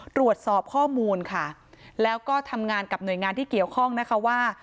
ตรวจสอบข้อมูลค่ะแล้วก็ทำงานกับหน่วยงานที่เกี่ยวข้องนะคะว่า